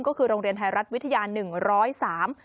ก็คือโรงเรียนไทยรัฐวิทยาหนึ่งร้อยสาม